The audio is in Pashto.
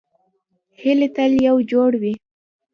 هیلۍ تل یو جوړ وي